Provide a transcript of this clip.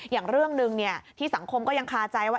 อย่างเรื่องหนึ่งที่สังคมก็ยังคาใจว่า